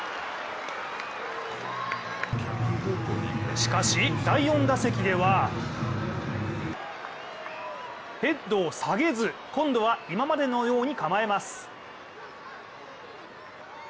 しかし第４打席ではヘッドを下げず、今度は今までのように構えます。